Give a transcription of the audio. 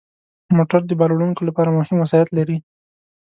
موټر د بار وړونکو لپاره مهم وسایط لري.